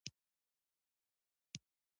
خور د خپلو خوبونو کیسې کوي.